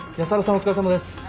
お疲れさまです。